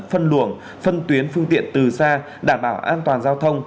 phân luồng phân tuyến phương tiện từ xa đảm bảo an toàn giao thông